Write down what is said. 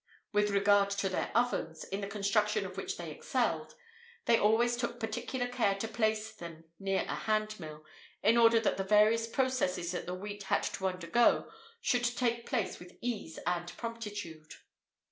[IV 37] With regard to their ovens, in the construction of which they excelled, they always took particular care to place them near a handmill,[IV 38] in order that the various processes that the wheat had to undergo should take place with ease and promptitude.